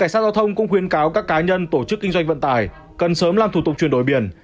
cảnh sát giao thông cũng khuyến cáo các cá nhân tổ chức kinh doanh vận tải cần sớm làm thủ tục chuyển đổi biển